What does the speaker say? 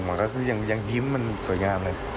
ก็คือยังยิ้มมันสวยงามเลย